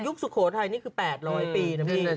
ยุคสุโภไทยนี้คือ๘๐๐ปี